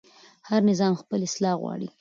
هر نظام خپل اصلاح غواړي